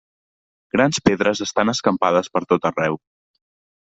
Grans pedres estan escampades per tot arreu.